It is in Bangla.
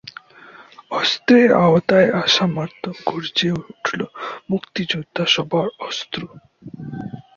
অস্ত্রের আওতায় আসা মাত্র গর্জে উঠল মুক্তিযোদ্ধা সবার অস্ত্র।